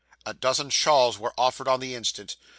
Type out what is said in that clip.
A dozen shawls were offered on the instant.